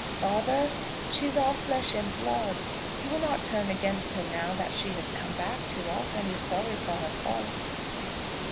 "Father, she is our flesh and blood; you will not turn against her now that she has come back to us, and is sorry for her faults."